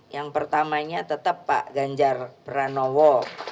yang pertamanya tetap pak ganjar pranowo